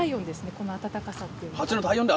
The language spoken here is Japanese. このあたたかさっていうのが。